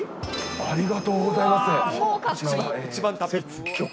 ありがとうございます。